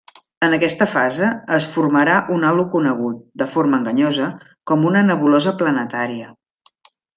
En aquesta fase, es formarà un halo conegut, de forma enganyosa, com una nebulosa planetària.